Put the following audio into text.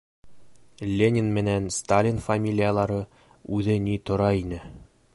Ленин менән Сталин фамилиялары үҙе ни тора ине!